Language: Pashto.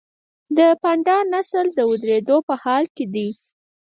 د پاندا نسل د ورکیدو په حال کې دی